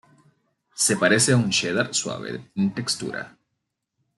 Se parece a un cheddar suave en textura.